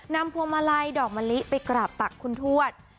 พวงมาลัยดอกมะลิไปกราบตักคุณทวด